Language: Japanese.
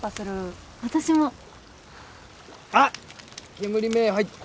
煙目入った。